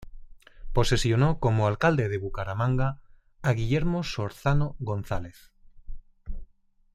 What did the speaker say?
Posesionó como alcalde de Bucaramanga a Guillermo Sorzano González.